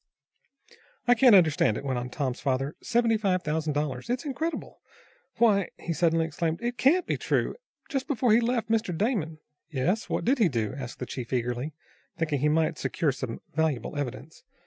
"I can't understand it," went on Tom's father. "Seventy five thousand dollars. It's incredible! Why!" he suddenly exclaimed, "it can't be true. Just before he left, Mr. Damon " "Yes, what did he do?" asked the chief eagerly, thinking he might secure some valuable evidence.